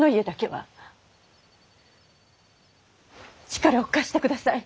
力を貸してください。